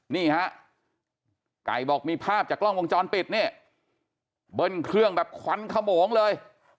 นี่ฮะไก่บอกมีภาพจากกล้องวงจรปิดนี่เบิ้ลเครื่องแบบควันขโมงเลย